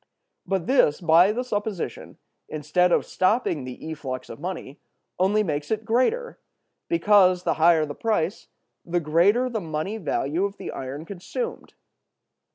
But this, by the supposition, instead of stopping the efflux of money, only makes it greater; because, the higher the price, the greater the money value of the iron consumed.